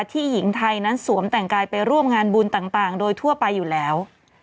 หญิงไทยนั้นสวมแต่งกายไปร่วมงานบุญต่างโดยทั่วไปอยู่แล้ว